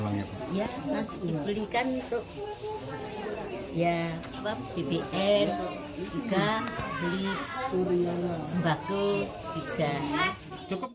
ya nanti dibelikan untuk bbm bk bk bk bk